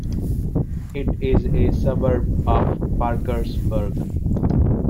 It is a suburb of Parkersburg.